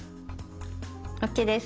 ＯＫです。